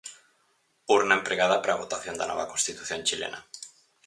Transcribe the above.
Urna empregada para a votación da nova constitución chilena.